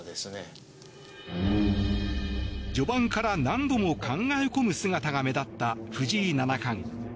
序盤から何度も考え込む姿が目立った、藤井七冠。